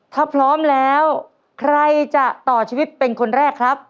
ถ้าพร้อมแล้วใครจะต่อชีวิตเป็นคนแรกครับ